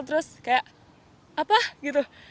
terus kayak apa gitu